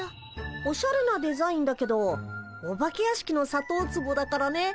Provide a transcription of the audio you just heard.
おしゃれなデザインだけどお化け屋敷のさとうツボだからね。